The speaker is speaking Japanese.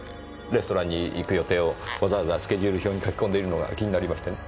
レストランに行く予定をわざわざスケジュール表に書き込んでいるのが気になりましてね。